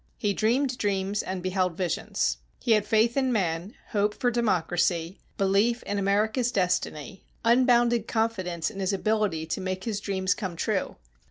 He dreamed dreams and beheld visions. He had faith in man, hope for democracy, belief in America's destiny, unbounded confidence in his ability to make his dreams come true.